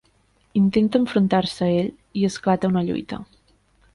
Intenta enfrontar-se a ell, i esclata una lluita.